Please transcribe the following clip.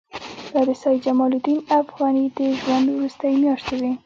دا د سید جمال الدین افغاني د ژوند وروستۍ میاشتې وې.